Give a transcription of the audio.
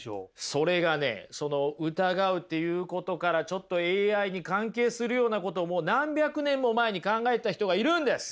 それがねその疑うということからちょっとＡＩに関係するようなことも何百年も前に考えた人がいるんです！